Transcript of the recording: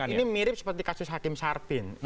ini mirip seperti kasus hakim sarpin